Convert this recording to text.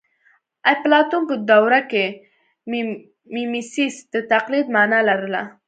اپلاتون په دوره کې میمیسیس د تقلید مانا لرله